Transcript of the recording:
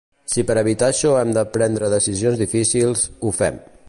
Si per a evitar això hem de prendre decisions difícils, ho fem.